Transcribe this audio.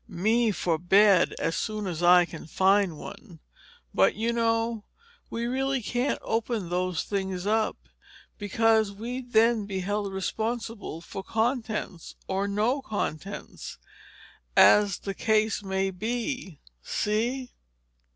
Me for bed as soon as I can find one. But you know, we really can't open those things up, because we'd then be held responsible for contents—or no contents—as the case may be. See?"